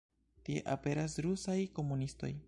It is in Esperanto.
Tie aperas Rusaj komunistoj.